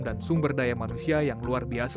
dan sumber daya manusia yang luar biasa